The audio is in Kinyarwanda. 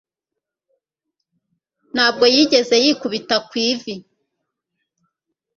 ntabwo yigeze yikubita ku ivi